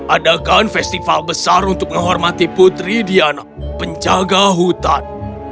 adakan festival besar untuk menghormati putri diana penjaga hutan